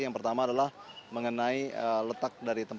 yang pertama adalah mengenai letak dari tempat